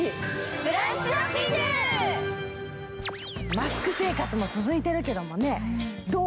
マスク生活も続いているけれども、どう？